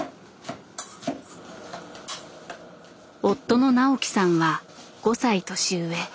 夫の直樹さんは５歳年上。